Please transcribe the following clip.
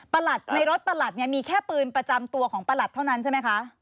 ในรถประหลัดเนี่ยมีแค่ปืนประจำตัวของประหลัดเท่านั้นใช่ไหมคะ